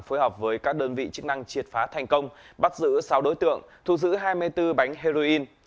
phối hợp với các đơn vị chức năng triệt phá thành công bắt giữ sáu đối tượng thu giữ hai mươi bốn bánh heroin